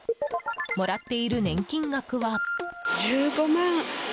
もらっている年金額は。